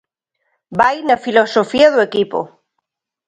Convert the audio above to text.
Vai na filosofía do equipo.